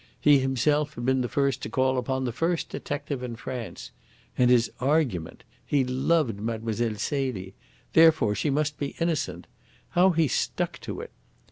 He himself had been the first to call upon the first detective in France. And his argument! He loved Mlle. Celie. Therefore she must be innocent! How he stuck to it!